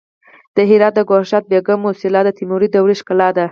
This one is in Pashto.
د هرات د ګوهرشاد بیګم موسیلا د تیموري دورې ښکلا ده